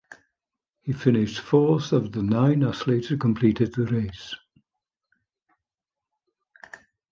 He finished fourth of the nine athletes who completed the race.